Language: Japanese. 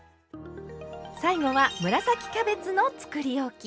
最後は紫キャベツのつくりおき。